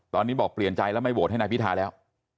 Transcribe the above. ตอนนี้บอกเปลี่ยนใจแล้วไม่โหวตให้นายพิธาแล้ว